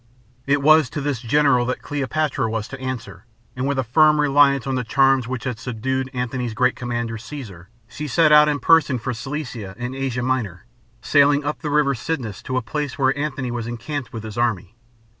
It was to this general that Cleopatra was to answer, and with a firm reliance on the charms which had subdued Antony's great commander, Caesar, she set out in person for Cilicia, in Asia Minor, sailing up the river Cydnus to the place where Antony was encamped with his army.